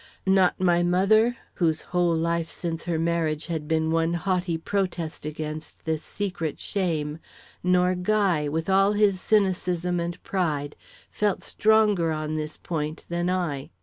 Not my mother, whose whole life since her marriage had been one haughty protest against this secret shame, nor Guy, with all his cynicism and pride, felt stronger on this point than I.